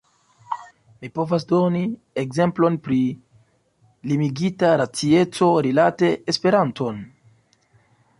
Mi povas doni ekzemplon pri limigita racieco rilate Esperanton.